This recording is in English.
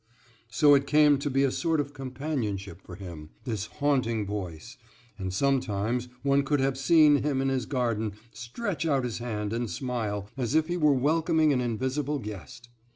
So it came to be a sort of companionship for him, this haunting voice; and sometimes one could have seen him in his garden stretch out his hand and smile, as if he were welcoming an invisible guest.